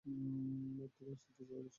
তোমার সিটে যেয়ে বসো।